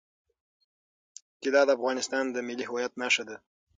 طلا د افغانستان د ملي هویت نښه ده.